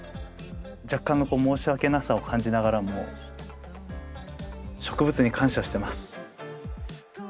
若干の申し訳なさを感じながらも植物に感謝してます。